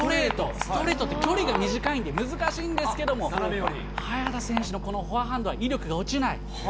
ストレートって、距離が短いんで、難しいんですけども、早田選手のこのフォアハンドは威力が落ちない。